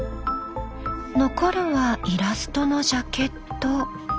残るはイラストのジャケット。